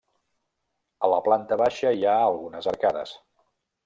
A la planta baixa hi ha algunes arcades.